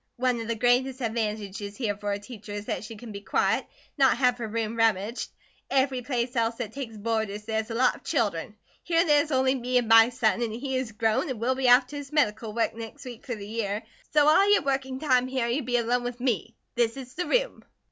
One of the greatest advantages here fer a teacher is that she can be quiet, an' not have her room rummaged. Every place else that takes boarders there's a lot of children; here there is only me and my son, and he is grown, and will be off to his medical work next week fer the year, so all your working time here, you'd be alone with me. This is the room."